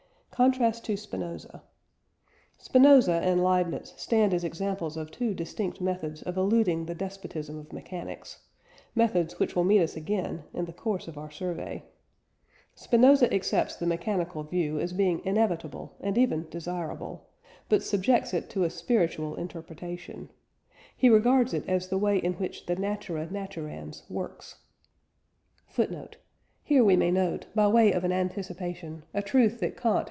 CONTRAST TO SPINOZA. Spinoza and Leibniz stand as examples of two distinct methods of eluding the despotism of mechanics methods which will meet us again in the course of our survey. Spinoza accepts the mechanical view as being inevitable and even desirable, but subjects it to a spiritual interpretation he regards it as the way in which the Natura naturans works.